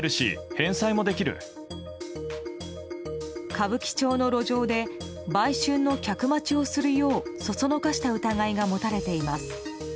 歌舞伎町の路上で売春の客待ちをするようそそのかした疑いが持たれています。